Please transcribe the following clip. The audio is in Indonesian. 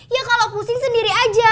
ya kalau pusing sendiri aja